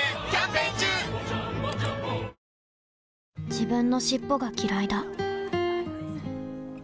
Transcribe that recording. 自分の尻尾がきらいだ